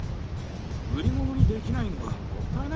売り物にできないのはもったいないな。